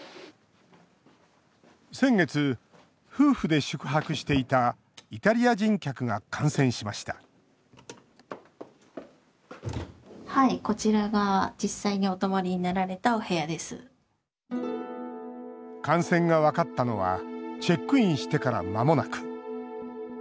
先月、夫婦で宿泊していたイタリア人客が感染しました感染が分かったのはチェックインしてからまもなく。